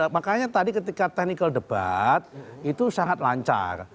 makanya tadi ketika technical debat itu sangat lancar